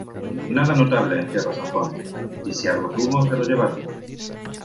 Nada notable encierra San Juan, y si algo tuvo se lo llevaron.